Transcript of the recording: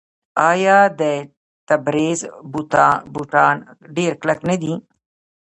آیا د تبریز بوټان ډیر کلک نه دي؟